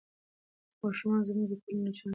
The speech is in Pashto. ماشومان زموږ د ټولنې روښانه راتلونکی دی.